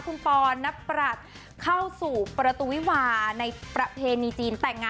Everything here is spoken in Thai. คุณปอนับหลับเข้าสู่ประตูวิวาในประเภณีจีน